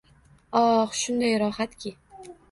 Oh, shunday rohatki